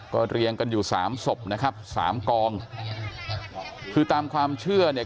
ก็เรียงกันอยู่สามศพนะครับสามกองคือตามความเชื่อเนี่ย